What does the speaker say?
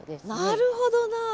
なるほどな。